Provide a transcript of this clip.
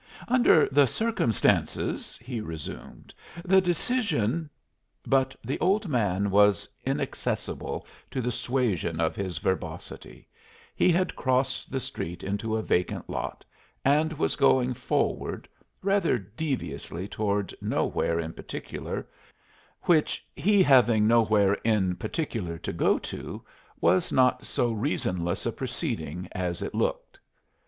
"Under the circumstances," he resumed, "the decision " But the old man was inaccessible to the suasion of his verbosity; he had crossed the street into a vacant lot and was going forward, rather deviously toward nowhere in particular which, he having nowhere in particular to go to, was not so reasonless a proceeding as it looked.